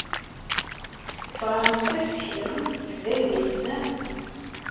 Teɣramt tasekla deg tesdawit, naɣ?